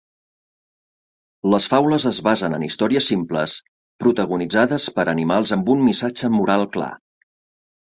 Les faules es basen en històries simples, protagonitzades per animals amb un missatge moral clar.